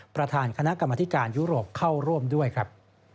ประธานคณะกรรมธิการยุโรปเข้าร่วมด้วยครับ